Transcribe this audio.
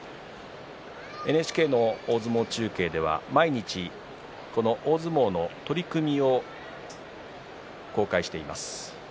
ＮＨＫの大相撲中継では毎日大相撲の取組を公開しています。